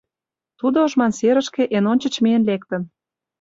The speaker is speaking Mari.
Тудо ошман серышке эн ончыч миен лектын.